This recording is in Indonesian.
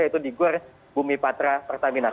yaitu di gor bumi patra pertamina